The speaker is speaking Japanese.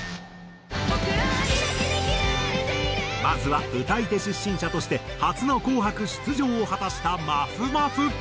まずは歌い手出身者として初の『紅白』出場を果たしたまふまふ。